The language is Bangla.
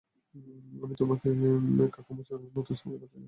আমি তোমাকে কাকামুচোর নতুন সামুরাই করতে চাই।